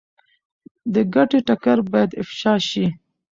د ګټې ټکر باید افشا شي.